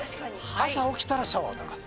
朝起きたらシャワーを流す。